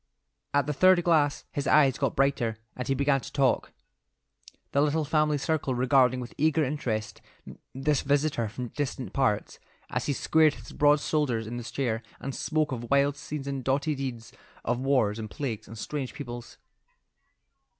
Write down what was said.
At the third glass his eyes got brighter, and he began to talk, the little family circle regarding with eager interest this visitor from distant parts, as he squared his broad shoulders in the chair and spoke of wild scenes and doughty deeds; of wars and plagues and strange peoples.